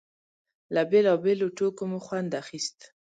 له بېلابېلو ټوکو مو خوند اخيست.